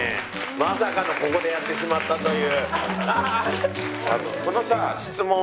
まさかのここでやってしまったという。